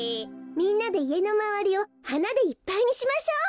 みんなでいえのまわりをはなでいっぱいにしましょう。